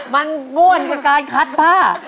มันง่วนกับการคัดผ้า